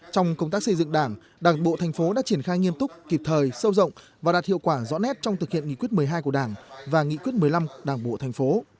trong công tác xây dựng đảng đảng bộ thành phố đã triển khai nghiêm túc kịp thời sâu rộng và đạt hiệu quả rõ nét trong thực hiện nghị quyết một mươi hai của đảng và nghị quyết một mươi năm đảng bộ thành phố